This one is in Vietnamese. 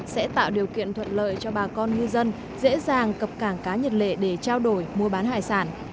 sẽ tạo điều kiện thuận lợi cho bà con ngư dân dễ dàng cập cảng cá nhật lệ để trao đổi mua bán hải sản